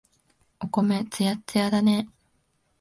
お米、つやっつやだね。